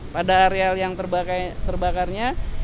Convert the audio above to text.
pada areal yang terbakarnya